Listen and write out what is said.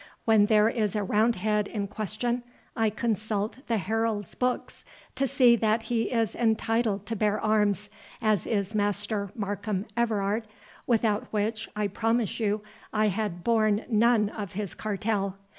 —When there is a roundhead in question, I consult the Herald's books, to see that he is entitled to bear arms, as is Master Markham Everard, without which, I promise you, I had borne none of his cartel.